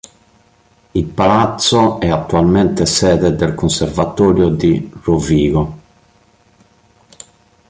Il palazzo è attualmente sede del conservatorio di Rovigo.